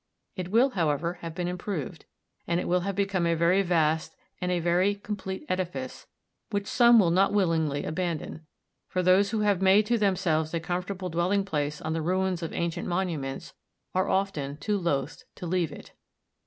It will, however, have been improved, and it will have become a very vast and very complete edifice which some will not willingly abandon; for those who have made to themselves a comfortable dwelling place on the ruins of ancient monuments are often too loth to leave it.